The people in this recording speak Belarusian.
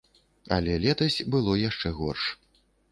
Але летась было яшчэ горш.